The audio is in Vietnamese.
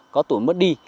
có tuổi mất đi